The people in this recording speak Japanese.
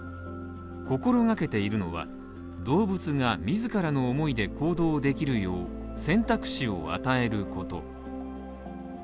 心がけているのは、動物が自らの思いで行動できるよう選択肢を与えること。